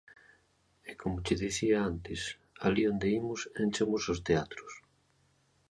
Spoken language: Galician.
E como che dicía antes, alí onde imos, enchemos os teatros.